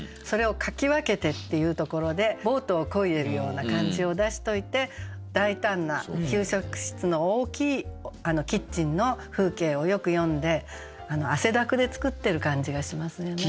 それを「掻き分けて」っていうところでボートをこいでるような感じを出しといて大胆な給食室の大きいキッチンの風景をよく詠んで汗だくで作ってる感じがしますね。